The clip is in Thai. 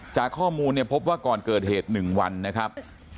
จากข้อมูลเนี่ยพบว่าก่อนเกิดเหตุ๑วันนะครับ